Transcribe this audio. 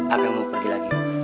apa yang mau pergi lagi